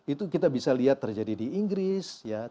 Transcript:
itu kita bisa lihat terjadi di inggris